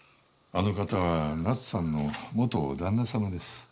あの方は奈津さんの元旦那様です。